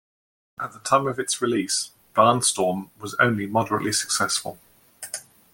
At the time of its release, "Barnstorm" was only moderately successful.